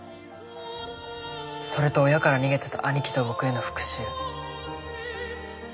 それと親から逃げてた兄貴と僕への復讐。